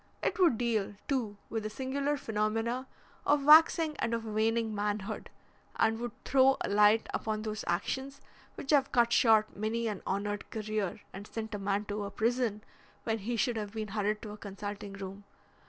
It would deal, too, with the singular phenomena of waxing and of waning manhood, and would throw a light upon those actions which have cut short many an honoured career and sent a man to a prison when he should have been hurried to a consulting room.